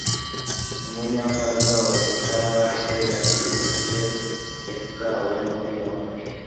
Umunyamabanga wa Leta Cyrus Vance yatawe muri yombi